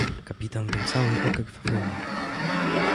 "Kapitan był cały okrwawiony."